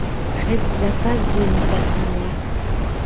Хет заказ буйынса тыңла.